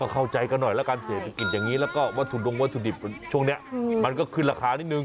เข้าใจกันหน่อยแล้วกันเศรษฐกิจอย่างนี้แล้วก็วัตถุดงวัตถุดิบช่วงนี้มันก็ขึ้นราคานิดนึง